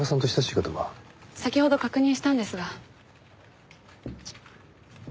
先ほど確認したんですが。